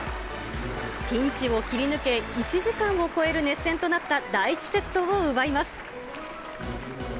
ピンチを切り抜け、１時間を超える熱戦となった第１セットを奪います。